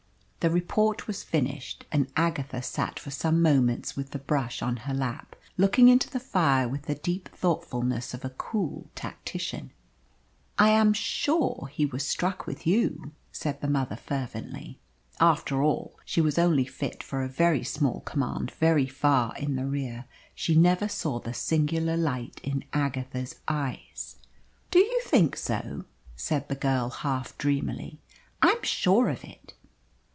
The report was finished, and Agatha sat for some moments with the brush on her lap looking into the fire with the deep thoughtfulness of a cool tactician. "I am SURE he was struck with you," said the mother fervently. After all she was only fit for a very small command very far in the rear. She never saw the singular light in Agatha's eyes. "Do you think so?" said the girl, half dreamily. "I am sure of it."